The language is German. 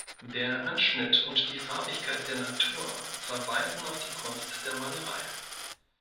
Der Anschnitt und die Farbigkeit der Natur verweisen auf die Kunst der Malerei.